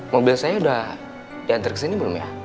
mobil saya udah diantar kesini belum ya